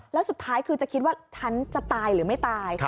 แล้วสุดท้ายคือจะคิดว่าฉันจะตายหรือไม่ตาย